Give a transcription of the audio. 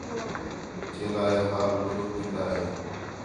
چیلا ہے حال گُروک ݙین٘داں ہِے